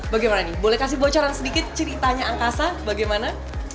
bagaimana nih boleh kasih bocoran sedikit ceritanya angkasa bagaimana